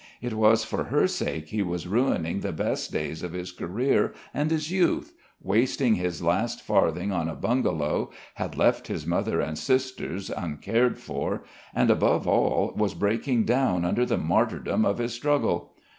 It was for her sake he was ruining the best days of his career and his youth, wasting his last farthing on a bungalow, had left his mother and sisters uncared for, and, above all, was breaking down under the martyrdom of his struggle.